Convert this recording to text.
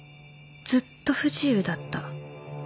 「ずっと不自由だった。